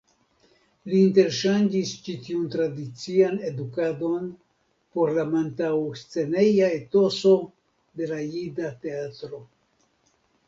Li interŝanĝis ĉi tiun tradician edukadon por la malantaŭsceneja etoso de la jida teatro.